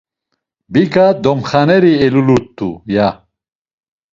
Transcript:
Biga domxaneri elulut̆u, ya.